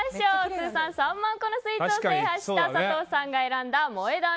通算３万個のスイーツを制覇した佐藤さんが選んだ萌え断